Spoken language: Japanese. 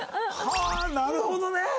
はあなるほどね。